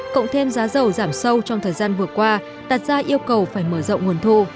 cộng thêm giá dầu giảm sâu trong thời gian vừa qua đặt ra yêu cầu phải mở rộng nguồn thu